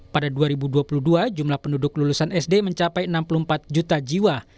pada dua ribu dua puluh dua jumlah penduduk lulusan sd mencapai enam puluh empat juta jiwa